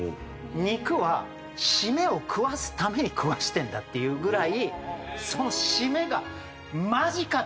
「肉はシメを食わすために食わせてるんだ」っていうぐらい。